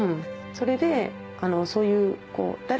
それでそういう。